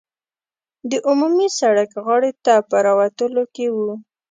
د عمومي سړک غاړې ته په راوتلو کې وو.